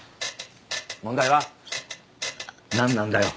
問題は？何なんだよ？